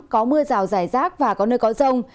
có mưa rào rải rác và có nơi có rông